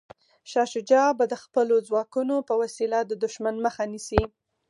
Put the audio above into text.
شاه شجاع به د خپلو ځواکونو په وسیله د دښمن مخه نیسي.